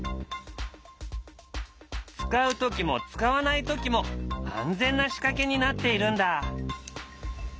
使うときも使わないときも安全な仕掛けになっているんだ。